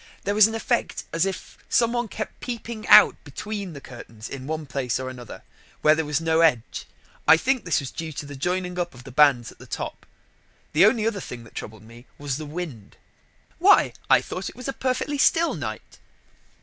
There was an effect as if some one kept peeping out between the curtains in one place or another, where there was no edge, and I think that was due to the joining up of the bands at the top. The only other thing that troubled me was the wind." "Why, I thought it was a perfectly still night."